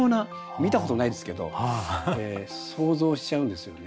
見たことないですけど想像しちゃうんですよね。